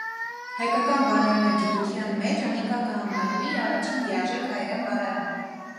Հայկական բառարանագիտութեան մէջ անիկա կը համարուի առաջին լիարժէք հայերէն բառարանը։